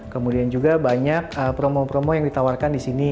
kemudian juga banyak promo promo yang ditawarkan di sini